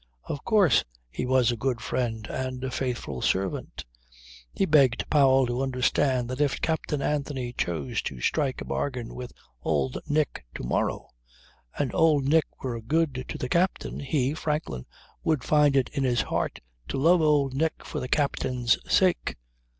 Of course he was a good friend and a faithful servant. He begged Powell to understand that if Captain Anthony chose to strike a bargain with Old Nick to morrow, and Old Nick were good to the captain, he (Franklin) would find it in his heart to love Old Nick for the captain's sake.